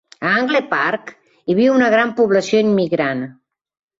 A Angle Park hi viu una gran població immigrant.